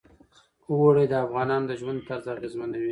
اوړي د افغانانو د ژوند طرز اغېزمنوي.